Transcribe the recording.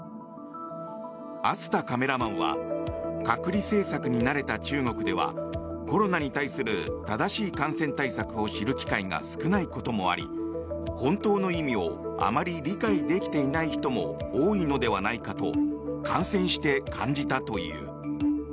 熱田カメラマンは隔離政策に慣れた中国ではコロナに対する正しい感染対策を知る機会が少ないこともあり本当の意味をあまり理解できていない人も多いのではないかと感染して感じたという。